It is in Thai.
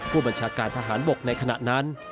ผู้บัญชาการทหารบกในขณะนั้น